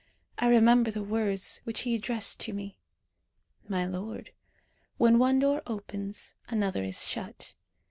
I remember the words which he addressed to me. 'My lord, when one door opens another is shut.